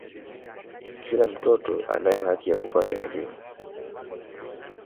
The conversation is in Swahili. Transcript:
kila mtoto anayo haki ya kupata elimu